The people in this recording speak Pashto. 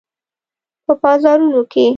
په بازارونو کې